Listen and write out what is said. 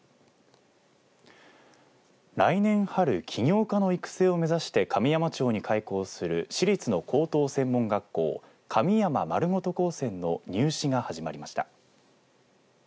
来年春、起業家の育成を目指して神山町に開校する私立の高等専門学校神山まるごと高専の入試が始まりました。